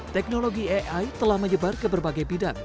teknologi ai telah menyebar ke berbagai bidang